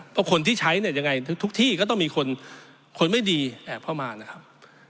เพราะคนที่ใช้เนี่ยยังไงทุกที่ก็ต้องมีคนไม่ดีแอบเข้ามานะครับ